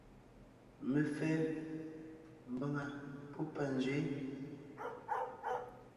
Mefɛ́ (mbàŋa pɔ́ panzwě ).